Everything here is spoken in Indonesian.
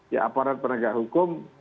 ya aparat penegak hukum